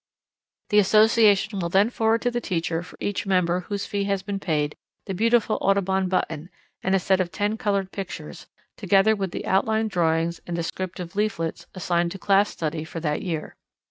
The Association will then forward to the teacher for each member whose fee has been paid, the beautiful Audubon button, and a set of ten coloured pictures, together with the outline drawings and descriptive leaflets assigned to class study for that year.